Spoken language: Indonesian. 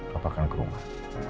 papa akan ke rumah